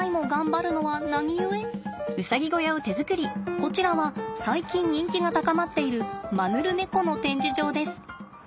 こちらは最近人気が高まっているマヌルネコの展示場です。